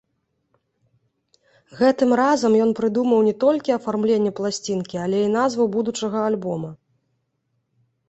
Гэтым разам ён прыдумаў не толькі афармленне пласцінкі, але і назву будучага альбома.